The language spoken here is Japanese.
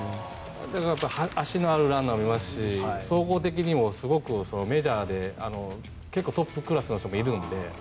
足のあるランナーもいますし総合的にもすごくメジャーでトップクラスの人もいるので。